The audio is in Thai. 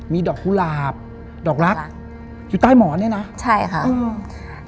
มีดอกกุหลาบดอกลักษณ์อยู่ใต้หมอนเนี้ยนะใช่ค่ะอืม